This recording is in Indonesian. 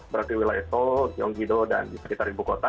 berarti wilayah seoul gyeonggi do dan di sekitar ribu kota